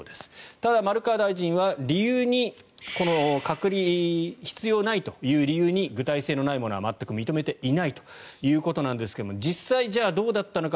ただ、丸川大臣は隔離が必要ないという理由に具体性のないものは全く認めていないということなんですが実際、じゃあどうだったのか。